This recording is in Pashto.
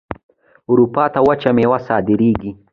اروپا ته وچې میوې صادریږي.